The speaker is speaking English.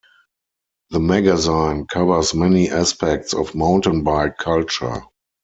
The magazine covers many aspects of mountain-bike culture.